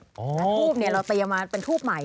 ทูบนี่เราเตรียมมาเป็นทูบใหม่